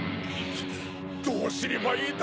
どうすればいいだ？